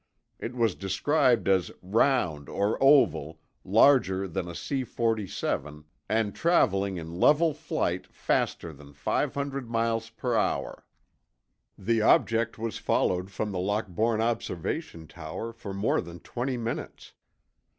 It was described as 'round or oval, larger than a C 47, and traveling in level flight faster than 500 miles per hour.' The object was followed from the Lockbourne observation tower for more than 20 minutes.